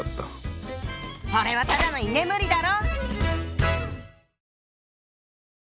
それはただの居眠りだろ！